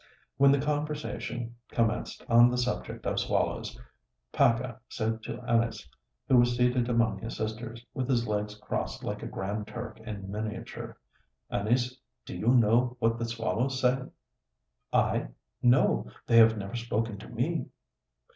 When the conversation commenced on the subject of swallows, Paca said to Anis, who was seated among his sisters, with his legs crossed like a Grand Turk in miniature, "Anis, do you know what the swallows say?" "I? No. They have never spoken to me."